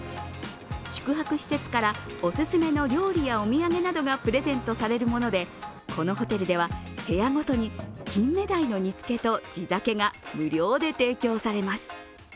宿泊施設からオススメの料理やお土産などがプレゼントされるものでこのホテルでは、部屋ごとにきんめだいの煮つけと地酒が無料で提供されます。